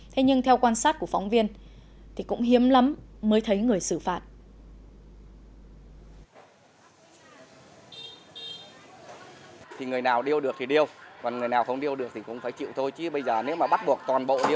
thế nhưng theo quan sát của phóng viên thì cũng hiếm lắm mới thấy người xử phạt